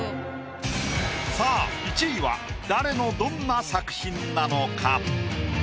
さあ１位は誰のどんな作品なのか？